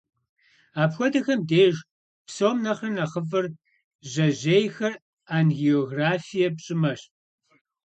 Апхуэдэхэм деж псом нэхърэ нэхъыфӏыр жьэжьейхэр ангиографие пщӏымэщ.